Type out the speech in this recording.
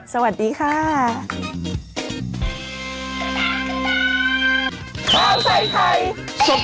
สวัสดีครับ